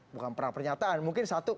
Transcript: bukan perang pernyataan mungkin satu